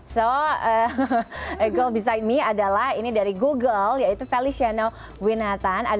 so a girl beside me adalah ini dari google yaitu feliciano winatan